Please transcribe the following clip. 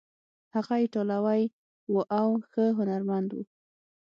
هغه ایټالوی و او ښه هنرمند و.